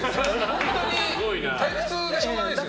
本当に退屈でしょうがないですよね。